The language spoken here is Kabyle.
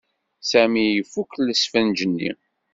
Sami ifuk lesfenǧ-nni.